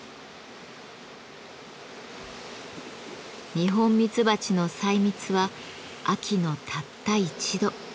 二ホンミツバチの採蜜は秋のたった一度。